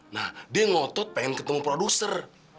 nah dia ngotot pengen ketemu produser